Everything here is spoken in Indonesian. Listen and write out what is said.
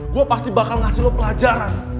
gue pasti bakal ngasih lo pelajaran